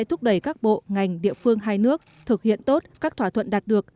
thúc đẩy các bộ ngành địa phương hai nước thực hiện tốt các thỏa thuận đạt được